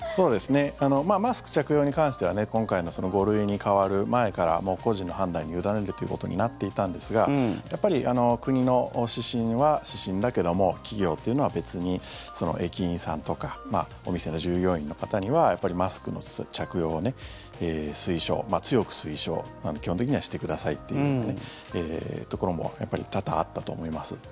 マスク着用に関しては今回の５類に変わる前からもう個人の判断に委ねるということになっていたんですがやっぱり国の指針は指針だけども企業というのは別に駅員さんとかお店の従業員の方にはマスクの着用を強く推奨基本的にはしてくださいっていうところもやっぱり多々あったと思います。